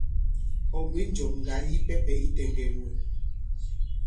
Ɔ̀ bwě njɔ̀m ŋgǎn yipɛpɛ yi tɛŋgɛn wɛ.